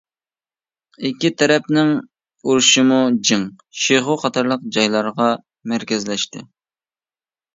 ئىككى تەرەپنىڭ ئۇرۇشىمۇ جىڭ، شىخۇ قاتارلىق جايلارغا مەركەزلەشتى.